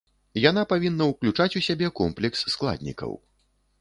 Яна павінна уключаць у сябе комплекс складнікаў.